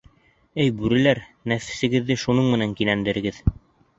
Эй, бүреләр, нәфсегеҙҙе шуның менән кинәндерегеҙ!